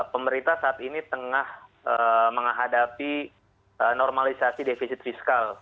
pemerintah saat ini tengah menghadapi normalisasi defisit fiskal